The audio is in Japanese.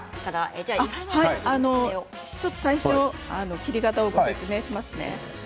最初、切り方をご説明しますね。